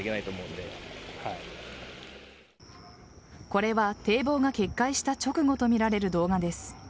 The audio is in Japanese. これは堤防が決壊した直後とみられる動画です。